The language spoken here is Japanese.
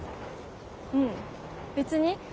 ううん別に。